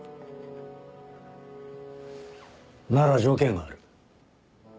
なら条件がある。